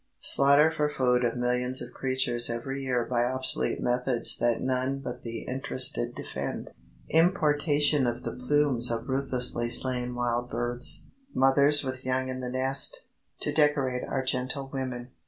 Slaughter for food of millions of creatures every year by obsolete methods that none but the interested defend. Importation of the plumes of ruthlessly slain wild birds, mothers with young in the nest, to decorate our gentlewomen.